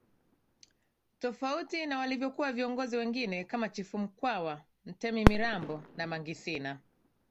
tofauti na walivyokuwa viongozi wengine kama Chifu Mkwawa Mtemi Mirambo and Mangi Sina